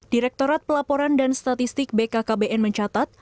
direktorat pelaporan dan statistik bkkbn mencatat